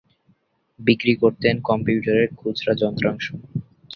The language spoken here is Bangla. বিক্রি করতেন কম্পিউটারের খুচরা যন্ত্রাংশ।